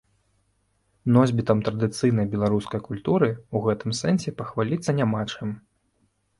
Носьбітам традыцыйнай беларускай культуры ў гэтым сэнсе пахваліцца няма чым.